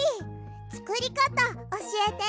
つくりかたおしえて！